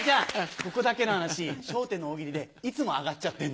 ここだけの話『笑点』の大喜利でいつもあがっちゃってんの。